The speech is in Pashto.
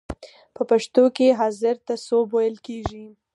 په پښتو کې حاضر ته سوب ویل کیږی.